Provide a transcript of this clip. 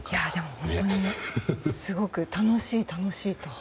本当にすごく楽しい、楽しいと。